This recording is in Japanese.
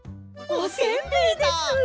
おせんべいです！